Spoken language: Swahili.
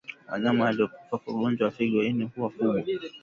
Wanyama waliokufa kwa ugonjwa wa figo ini huwa kubwa